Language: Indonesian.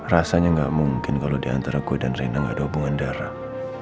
rasanya gak mungkin kalau diantara gue dan reyna gak ada hubungan darah